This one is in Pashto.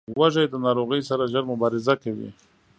وزې د ناروغۍ سره ژر مبارزه کوي